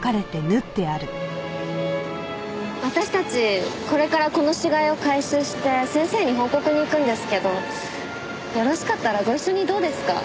私たちこれからこの死骸を回収して先生に報告に行くんですけどよろしかったらご一緒にどうですか？